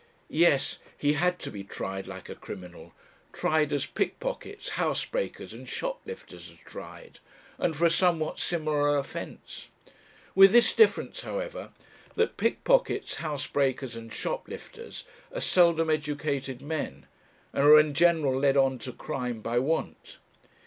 Yes, he had to be tried like a criminal; tried as pickpockets, housebreakers, and shoplifters are tried, and for a somewhat similar offence; with this difference, however, that pickpockets, housebreakers, and shoplifters, are seldom educated men, and are in general led on to crime by want.